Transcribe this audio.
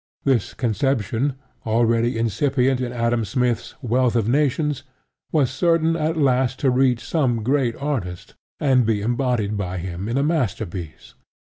This conception, already incipient in Adam Smith's Wealth of Nations, was certain at last to reach some great artist, and be embodied by him in a masterpiece.